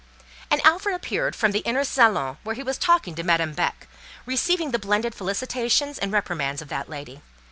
And Alfred appeared from the inner salon, where he was talking to Madame Beck, receiving the blended felicitations and reprimands of that lady.